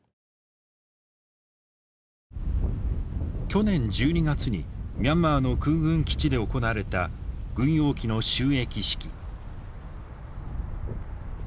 去年１２月にミャンマーの空軍基地で行われた軍用機の就役式。